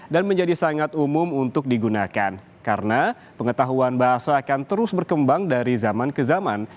dan menjadi sangat umum untuk digunakan karena pengetahuan bahasa akan terus berkembang dari zaman ke zaman